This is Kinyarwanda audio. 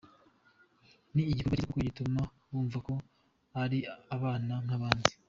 Ni igikorwa cyiza kuko gituma bumva ko ari abana nk’abandi.